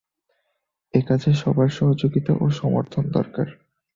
একাজে সবার সহযোগিতা ও সমর্থন দরকার।